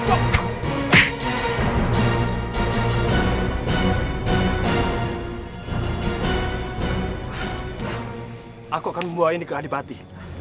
aku akan membawa ini ke adipati